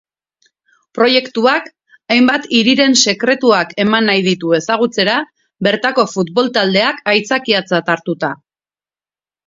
Proiektuak hainbat hiriren sekretuak eman nahi ditu ezagutzera, bertako futbol-taldeak aitzakiatzat hartuta.